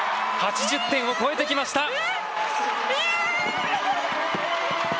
８０点を超えてきました。